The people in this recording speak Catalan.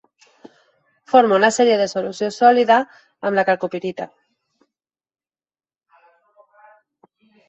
Forma una sèrie de solució sòlida amb la calcopirita.